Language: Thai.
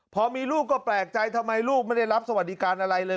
พอมีลูกก็แปลกใจทำไมลูกไม่ได้รับสวัสดิการอะไรเลย